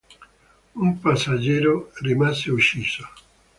Un passeggero rimase ucciso.